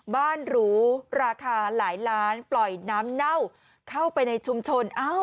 หรูราคาหลายล้านปล่อยน้ำเน่าเข้าไปในชุมชน